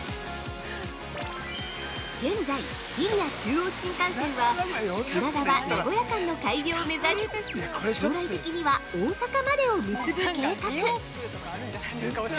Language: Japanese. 現在、リニア中央新幹線は品川−名古屋間の開業を目指し将来的には、大阪までを結ぶ計画。